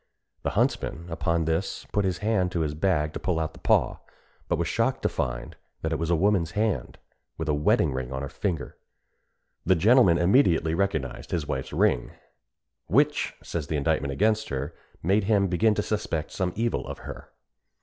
The huntsman upon this put his hand into his bag to pull out the paw, but was shocked to find that it was a woman's hand, with a wedding ring on the finger. The gentleman immediately recognised his wife's ring, "which," says the indictment against her, "made him begin to suspect some evil of her."